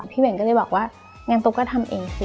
เว่นก็เลยบอกว่างั้นตุ๊กก็ทำเองสิ